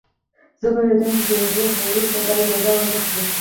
زه پوهېدم چې د هغې غرور به دا اجازه ور نه کړي